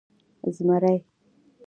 🦬 زمری